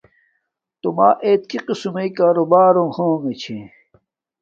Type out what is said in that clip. تو ما اعت کی قسم مݵ کاروبارونݣ ہوگے چھے